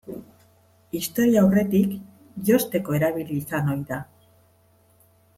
Historiaurretik, josteko erabili izan ohi da.